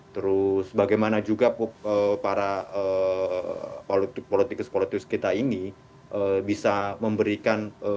terus bagaimana juga para politikus politikus kita ini bisa memberikan